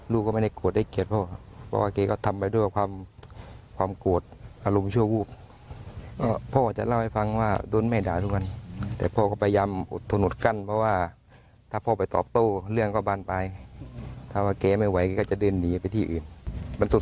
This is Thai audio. ลูกก็ไม่ได้กลัวได้เกลียด